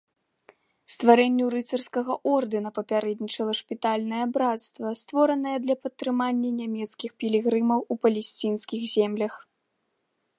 Стварэнню рыцарскага ордэна папярэднічала шпітальнае брацтва, створанае для падтрымання нямецкіх пілігрымаў у палесцінскіх землях.